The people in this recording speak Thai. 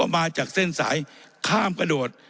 มาจากเส้นสายข้ามกระโดด